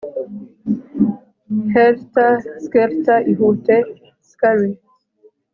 Helter skelter ihute skurry